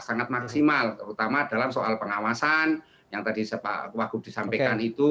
sangat maksimal terutama dalam soal pengawasan yang tadi pak wagub disampaikan itu